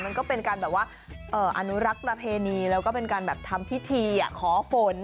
มันก็เป็นการแบบว่าอนุรักษ์ประเพณีแล้วก็เป็นการแบบทำพิธีขอฝน